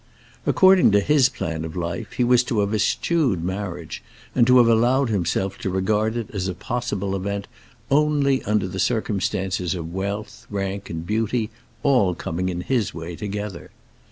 According to his plan of life he was to have eschewed marriage, and to have allowed himself to regard it as a possible event only under the circumstances of wealth, rank, and beauty all coming in his way together.